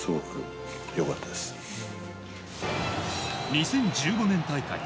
２０１５年大会。